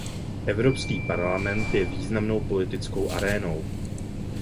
Evropský parlament je významnou politickou arénou.